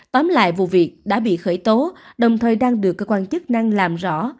tóm lại vụ việc đã bị khởi tố đồng thời đang được cơ quan chức năng làm rõ